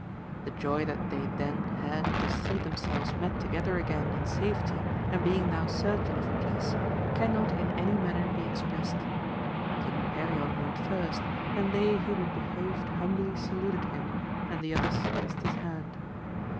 The joy that they then had to see themselves met together again, in safety, and being now certain of peace, cannot in any manner be expressed. King Perion went first, and they whom it behoved humbly saluted him, and the others kissed his hand.